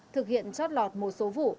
thực hiện chót lọt một số vụ